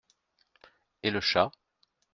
Et le chat ?